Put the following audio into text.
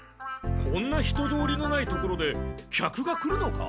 こんな人通りのない所で客が来るのか？